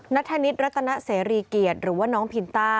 นัทธนิษฐรัตนเสรีเกียรติหรือว่าน้องพินต้า